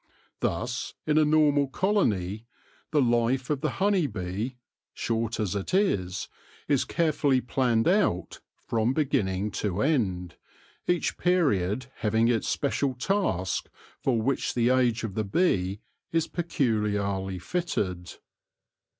Thus, in a normal colony, the life of the honey bee, short as it is, is carefully planned out from beginning to end, each period having its special task for which the age of the bee is peculiarly fitted.